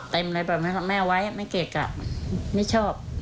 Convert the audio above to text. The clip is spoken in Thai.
เต็มอะไรไปแม่ไว้แม่เกลียดกลับไม่ชอบ